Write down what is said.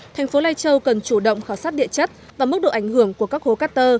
thành phố lai châu cần chủ động khảo sát địa chất và mức độ ảnh hưởng của các hố cát tơ